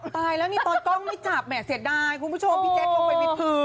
ตายแล้วนี่ตอนกล้องไม่จับแหม่เสียดายคุณผู้ชมพี่แจ๊กคงเป็นปริษฐฤทธิ์